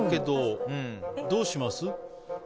どうします？